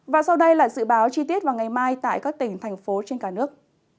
và sau đây là dự báo chi tiết vào ngày mai tại các tỉnh thành phố trên cả nước